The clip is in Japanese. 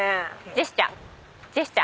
ジェスチャー！